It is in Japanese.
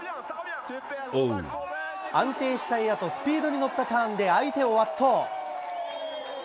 安定したエアとスピードに乗ったターンで相手を圧倒。